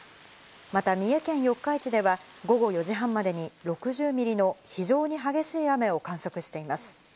また三重県四日市では午後４時半までに６０ミリの非常に激しい雨を観測しています。